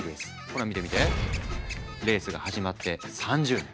ほら見て見てレースが始まって３０年。